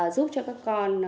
giúp cho các con